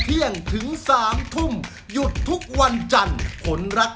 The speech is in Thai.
เสียงที่ได้ยินครับ